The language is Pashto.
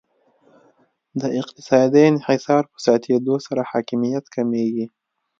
د اقتصادي انحصار په زیاتیدو سره حاکمیت کمیږي